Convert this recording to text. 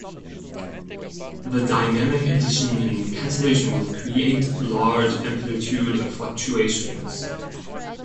The dynamic addition and cancellation will create large amplitude fluctuations.